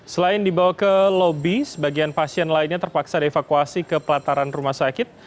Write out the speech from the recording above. selain dibawa ke lobi sebagian pasien lainnya terpaksa dievakuasi ke pelataran rumah sakit